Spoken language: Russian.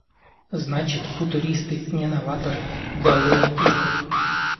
Значит, футуристы не новаторы. Долой их!